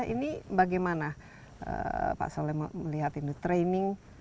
ini bagaimana pak solemo melihat ini training